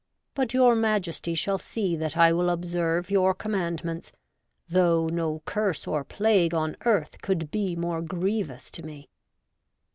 But your Majesty shall see that I will observe your commandments, though no curse or plage on earth colde be more grievous to me.'